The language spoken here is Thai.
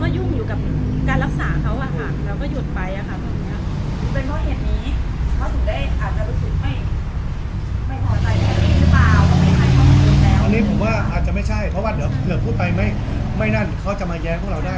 อันนี้ผมว่าอาจจะไม่ใช่เพราะว่าเดี๋ยวเผื่อพูดไปไม่นั่นเขาจะมาแย้งพวกเราได้